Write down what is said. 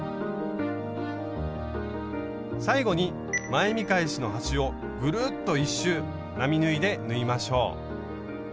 最後に前見返しの端をグルッと１周並縫いで縫いましょう。